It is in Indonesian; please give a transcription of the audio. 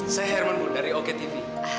saya herman bu dari oketv